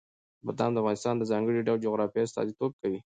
بادام د افغانستان د ځانګړي ډول جغرافیه استازیتوب کوي.